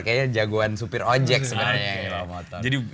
kayaknya jagoan sopir ojek sebenarnya yang bawa motor